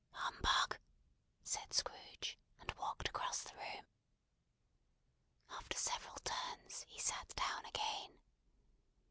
"Humbug!" said Scrooge; and walked across the room. After several turns, he sat down again.